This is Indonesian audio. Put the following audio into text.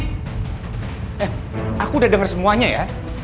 eh aku udah denger semuanya ya